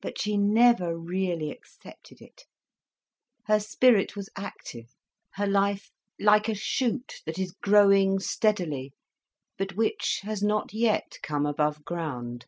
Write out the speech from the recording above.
But she never really accepted it. Her spirit was active, her life like a shoot that is growing steadily, but which has not yet come above ground.